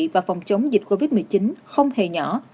và phòng chống dịch covid một mươi chín không hề nhỏ